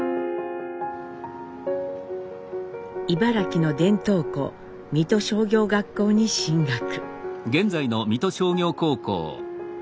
茨城の伝統校水戸商業学校に進学。